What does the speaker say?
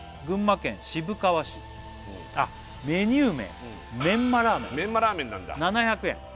群馬県渋川市あっメニュー名メンマラーメンメンマラーメンなんだ７００円